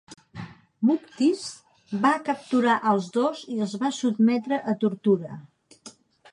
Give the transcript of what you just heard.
Muktis va capturar als dos i els va sotmetre a tortura.